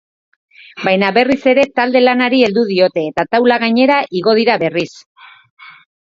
Baina berriz ere talde-lanari heldu diote eta taula gainera igo dira berriz.